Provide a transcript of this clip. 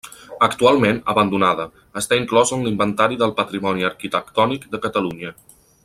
Actualment abandonada, està inclosa en l'Inventari del Patrimoni Arquitectònic de Catalunya.